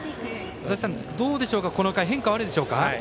足達さん、どうでしょうかこの回、変化はあるでしょうか。